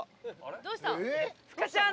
どうした？